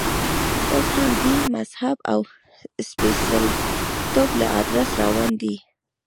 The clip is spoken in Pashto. اوس هم دین، مذهب او سپېڅلتوب له ادرسه روان دی.